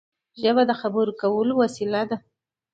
ژبه د خبرو کولو یوه وسیله ده.